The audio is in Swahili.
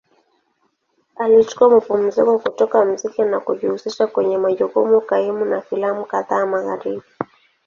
Alichukua mapumziko kutoka muziki na kujihusisha kwenye majukumu kaimu na filamu kadhaa Magharibi.